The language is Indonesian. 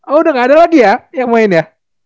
oh udah gak ada lagi ya yang main ya